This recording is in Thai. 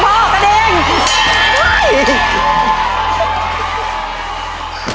กระดิ่งพ่อกระดิ่ง